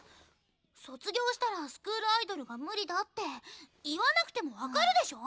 卒業したらスクールアイドルが無理だって言わなくても分かるでしょう？